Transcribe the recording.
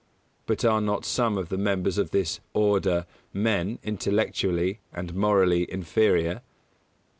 _But are not some of the members of this "Order" men intellectually and morally inferior?